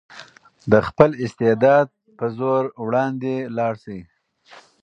د خپل استعداد په زور وړاندې لاړ شئ.